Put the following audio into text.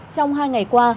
trong hai ngày qua